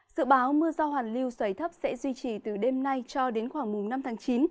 dự báo mưa do hoàn lưu xoay thấp sẽ duy trì từ đêm nay cho đến khoảng mùng năm tháng chín